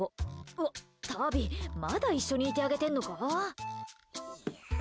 わっ、タビまだ一緒にいてあげてんのか。